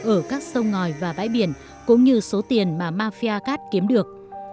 ở các sông ngòi và bãi biển cũng như số tiền mà mafia cát kiếm được